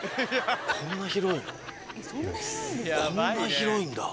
こんな広いんだ。